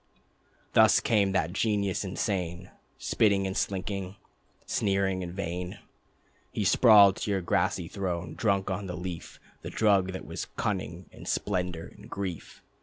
Thus came that genius insane: Spitting and slinking, Sneering and vain, He sprawled to your grassy throne, drunk on The Leaf, The drug that was cunning and splendor and grief.